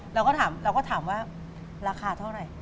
เราก็ถามว่าราคาเท่าไหร่